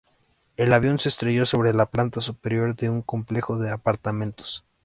El avión se estrelló sobre la planta superior de un complejo de apartamentos.